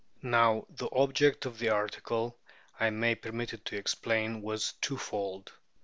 Now the object of that article, I may be permitted to explain, was twofold.